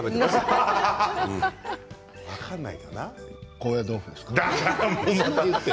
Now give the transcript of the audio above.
高野豆腐ですか？